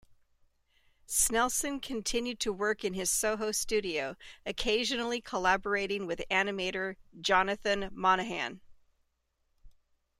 Snelson continued to work in his SoHo studio, occasionally collaborating with animator Jonathan Monaghan.